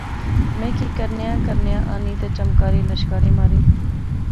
میں کی کرن نیاں کرنیاں آنی تہ چمکارے لشکارے مارے